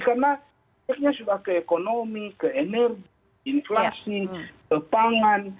karena sepertinya sudah ke ekonomi ke energi inflasi ke pangan